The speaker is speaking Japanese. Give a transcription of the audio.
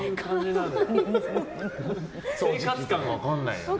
生活感が分かんないよね。